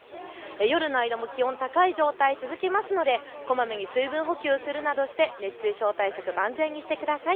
夜の間も気温が高い状態、続くのでこまめに水分補給をするなどして熱中症対策、万全にしてください。